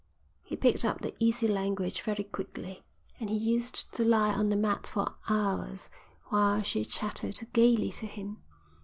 He picked up the easy language very quickly, and he used to lie on the mat for hours while she chattered gaily to him.